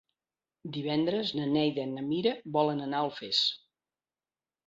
Divendres na Neida i na Mira volen anar a Alfés.